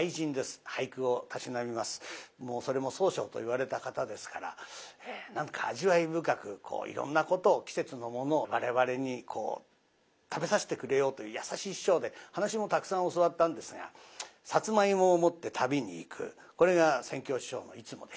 それも宗匠といわれた方ですから何か味わい深くいろんなことを季節のものを我々に食べさせてくれようという優しい師匠で噺もたくさん教わったんですがさつまいもを持って旅に行くこれが扇橋師匠のいつもでした。